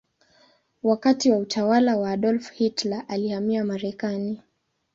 Wakati wa utawala wa Adolf Hitler alihamia Marekani.